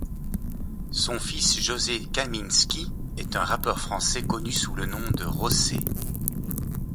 Son fils José Kaminsky est un rappeur français connu sous le nom de Rocé.